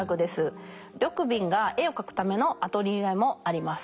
緑敏が絵を描くためのアトリエもあります。